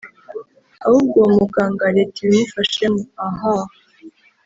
ahubwo uwo muganga leta ibimufashemo ahaaaaaa